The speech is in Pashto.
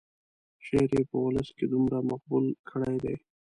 شعر یې په ولس کې دومره مقبول کړی دی.